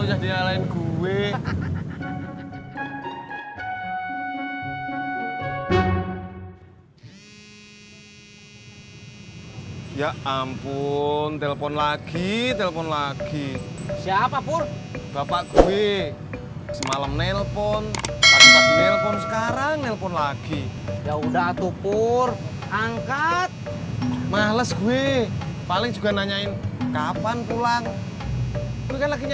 assalamualaikum warahmatullahi wabarakatuh